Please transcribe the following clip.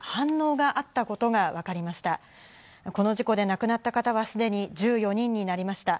この事故で亡くなった方はすでに１４人になりました。